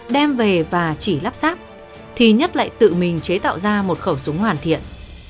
đem về và chỉ lắp sáp thì nhất lại tự mình chế tạo ra một khẩu súng hoàn thiện